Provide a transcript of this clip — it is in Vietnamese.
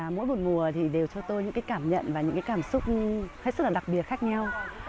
mỗi buổi mùa đều cho tôi những cảm nhận và những cảm xúc rất đặc biệt khác nhau